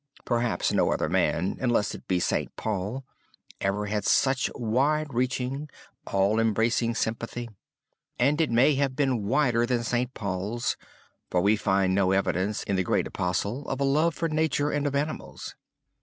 Perhaps no other man, unless it be St. Paul, ever had such wide reaching, all embracing sympathy: and it may have been wider than St. Paul's, for we find no evidence in the great apostle of a love for nature and of animals.